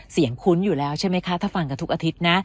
คุ้นอยู่แล้วใช่ไหมคะถ้าฟังกันทุกอาทิตย์นะ